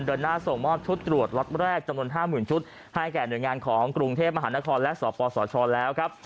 เดินหน้าส่งมอบชุดตรวจล็อตแรกจำนวน๕๐๐๐ชุดให้แก่หน่วยงานของกรุงเทพมหานครและสปสชแล้วครับ